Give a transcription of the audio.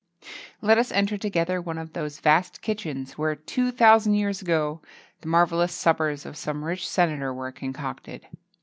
Let as enter together one of those vast kitchens, where two thousand years ago, the marvellous suppers of some rich senator were concocted.